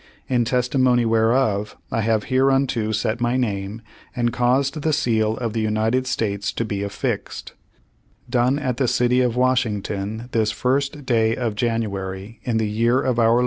"In testimony whereof, I have hereunto set my name, and caused the seal of the United States to be affixed. 16 Page One Hundred twenty two "Done at the city of Washington, this 1st day of Janu ary, in the year of our (L.